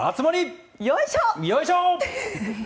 よいしょ！